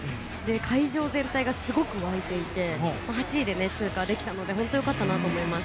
会場全体がすごく沸いていて８位で通過できたので本当に良かったと思います。